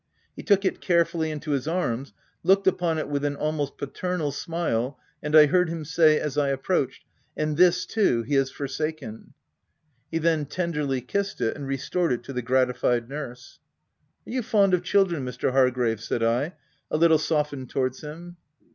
He took it carefully into his arms, looked upon it with an almost paternal smile, and I heard him say, as I approached —" And this too, he has forsaken \* f He then tenderly kissed it, and restored it to the gratified nurse. " Are you fond of children, Mr. Hargrave ?" said I, a little softened towards him.